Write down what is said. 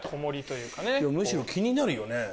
むしろ気になるよね。